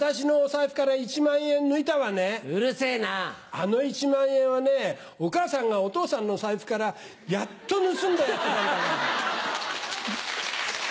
あの１万円はねお母さんがお父さんの財布からやっと盗んだやつなんだから。